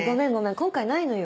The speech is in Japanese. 今回ないのよ。